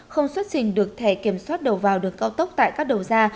không xuất trình được thẻ kiểm soát đầu vào đường cao tốc tại các đầu ra